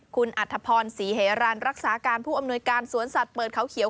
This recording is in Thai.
คุณอัธพรศรีเฮรันรักษาการผู้อำนวยการสวนสัตว์เปิดเขาเขียว